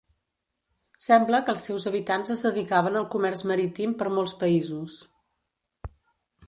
Sembla que els seus habitants es dedicaven al comerç marítim per molts països.